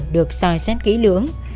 được soi xét kỹ lưỡng